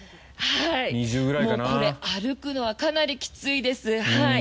もうこれ歩くのはかなりきついです。